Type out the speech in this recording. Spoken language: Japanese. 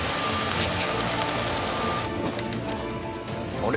あれ？